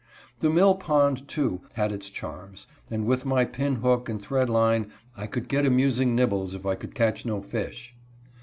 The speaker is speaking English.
The mill pond, too, had its charms ; and with my pin hook and thread line, I could get amusing nibbles if I could catch no fish.